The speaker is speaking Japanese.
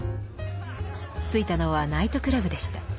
着いたのはナイトクラブでした。